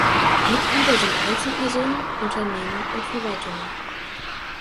Mitglieder sind Einzelpersonen, Unternehmen und Verwaltungen.